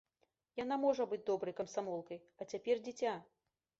Яна можа быць добрай камсамолкай, а цяпер дзіця.